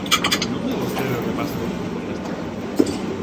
Non ve vostede o que pasa cos futbolistas?